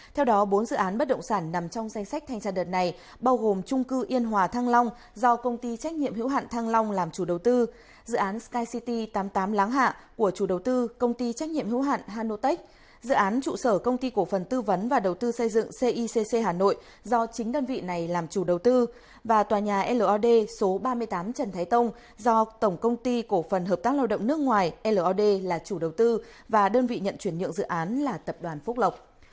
theo đó bốn dự án bất động sản nằm trong danh sách thanh tra đợt này bao gồm trung cư yên hòa thăng long do công ty trách nhiệm hữu hạn thăng long làm chủ đầu tư dự án sky city tám mươi tám láng hạ của chủ đầu tư công ty trách nhiệm hữu hạn hano tech dự án trụ sở công ty cổ phần tư vấn và đầu tư xây dựng cicc hà nội do chính đơn vị này làm chủ đầu tư và tòa nhà lod số ba mươi tám trần thái tông do tổng công ty cổ phần hợp tác lao động nước ngoài lod là chủ đầu tư và đơn vị nhận chuyển nhượng dự án là tập đoàn phúc lộc